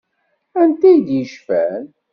Anta i d-yecfan?